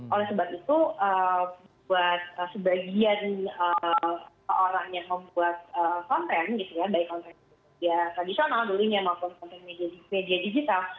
oleh sebab itu buat sebagian orang yang membuat konten gitu ya baik konten tradisional dulunya maupun konten media digital